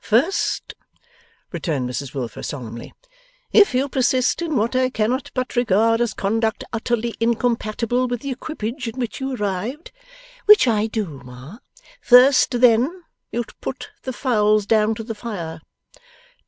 'First,' returned Mrs Wilfer solemnly, 'if you persist in what I cannot but regard as conduct utterly incompatible with the equipage in which you arrived ' ['Which I do, Ma.') 'First, then, you put the fowls down to the fire.